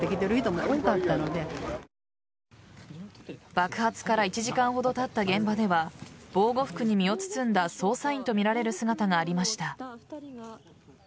爆発から１時間ほどたった現場では防護服に身を包んだ捜査員とみられる姿がありました。